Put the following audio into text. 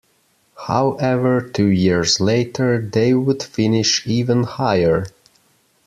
However, two years later, they would finish even higher.